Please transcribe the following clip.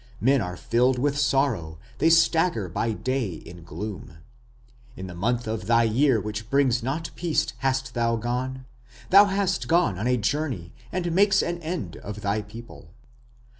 Men are filled with sorrow: they stagger by day in gloom ... In the month of thy year which brings not peace hast thou gone. Thou hast gone on a journey that makes an end of thy people.